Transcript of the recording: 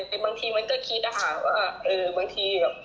บางทีมันก็คิดว่าเออบางที